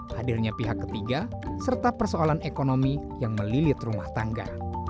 hadirnya pihak ketiga serta persoalan ekonomi yang melilit rumah tangga